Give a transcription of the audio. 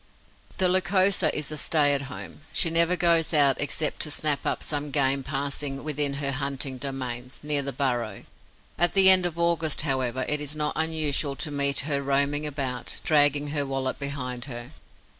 The Lycosa is a stay at home. She never goes out except to snap up some game passing within her hunting domains, near the burrow. At the end of August, however, it is not unusual to meet her roaming about, dragging her wallet behind her.